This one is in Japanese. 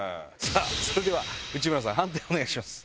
それでは内村さん判定お願いします。